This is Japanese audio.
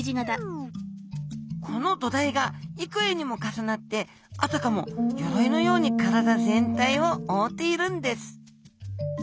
この土台がいくえにも重なってあたかも鎧のように体全体を覆っているんです